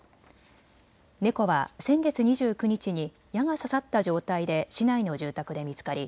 猫は先月２９日に矢が刺さった状態で市内の住宅で見つかり